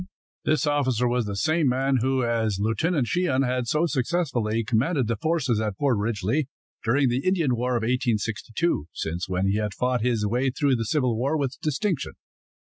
This officer was the same man who, as Lieutenant Sheehan, had so successfully commanded the forces at Fort Ridgely, during the Indian War of 1862, since when he had fought his way through the Civil War with distinction.